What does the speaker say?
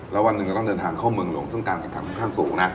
แล้ววันหนึ่งก็ต้องเดินทางเข้าเมืองหลวงซึ่งการแข่งขันค่อนข้างสูงนะ